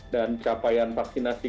dan capaian vaksinasi